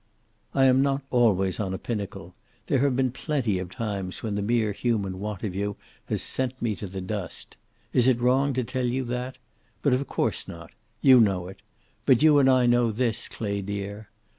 "I am not always on a pinnacle. There have been plenty of times when the mere human want of you has sent me to the dust. Is it wrong to tell you that? But of course not. You know it. But you and I know this; Clay, dear.